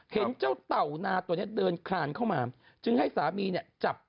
เห็นเจ้าเต่านาตัวนี้เดินคลานเข้ามาจึงให้สามีเนี่ยจับ